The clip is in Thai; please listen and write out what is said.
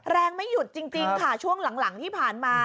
ไม่หยุดจริงค่ะช่วงหลังที่ผ่านมา